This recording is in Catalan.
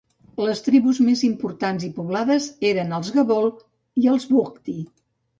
Les tribus més importants i poblades eren els gabol i els bugti.